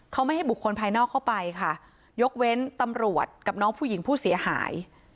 เขาไม่ให้บุคคลภายนอกเข้าไปค่ะยกเว้นตำรวจกับน้องผู้หญิงผู้เสียหาย